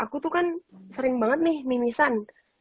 aku tuh kan sering banget nih mimisan